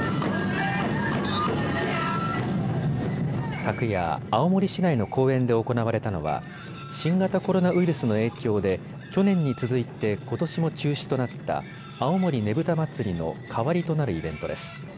昨夜、青森市内の公園で行われたのは新型コロナウイルスの影響で去年に続いてことしも中止となった青森ねぶた祭の代わりとなるイベントです。